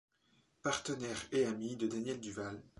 Partenaire et ami de Daniel Duval.